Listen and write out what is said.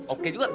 oke juga tuh